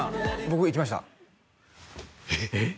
僕行きましたえっ？